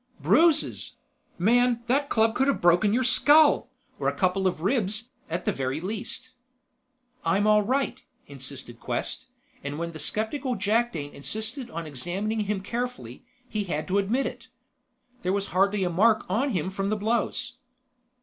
"Bruises? Man, that club could have broken your skull! Or a couple of ribs, at the very least." "I'm all right," insisted Quest; and when the skeptical Jakdane insisted on examining him carefully, he had to admit it. There was hardly a mark on him from the blows.